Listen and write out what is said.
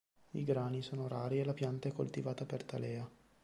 I grani sono rari e la pianta è coltivata per talea.